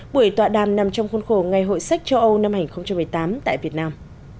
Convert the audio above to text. buổi tọa đàm nằm trong khuôn khổ ngày hội sách châu âu năm hai nghìn một mươi tám tại việt nam